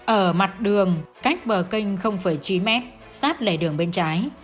ở mặt đường cách bờ kênh chín mét sát lề đường bên trái